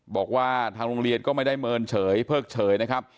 บอกว่าทางโรงเรียนก็ไม่ได้เมินเฉยเพิกเฉยนะครับ